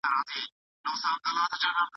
هغه لیکنه چې ناسمه ده، باید اصلاح شي.